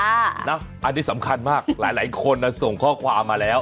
อันนี้สำคัญมากหลายคนส่งข้อความมาแล้ว